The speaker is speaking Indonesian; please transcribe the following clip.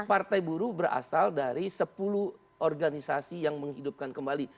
partai buruh berasal dari sepuluh organisasi yang menghidupkan kembali